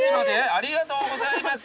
ありがとうございます！